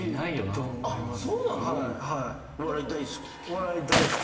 お笑い大好き？